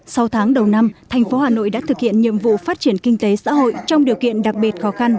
sau tháng đầu năm thành phố hà nội đã thực hiện nhiệm vụ phát triển kinh tế xã hội trong điều kiện đặc biệt khó khăn